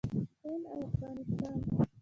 هند او افغانستان